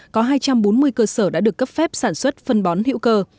có hai trăm bốn mươi cơ sở đã được cấp phép sản xuất phân bón hữu cơ